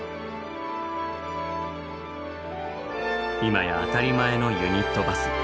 今や当たり前のユニットバス。